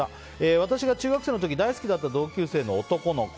私が中学生の時大好きだった同級生の男の子。